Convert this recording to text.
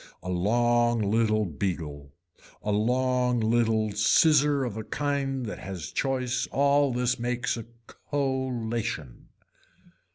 A long little beagle, a long little scissor of a kind that has choice all this makes a collation.